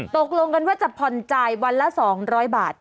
ตกลงกันว่าจะผ่อนจ่ายวันละ๒๐๐บาท